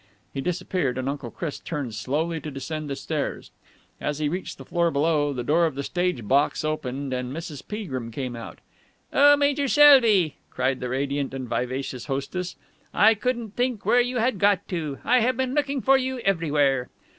He disappeared, and Uncle Chris turned slowly to descend the stairs. As he reached the floor below, the door of the stage box opened, and Mrs. Peagrim came out. "Oh, Major Selby!" cried the radiant and vivacious hostess. "I couldn't think where you had got to. I have been looking for you everywhere."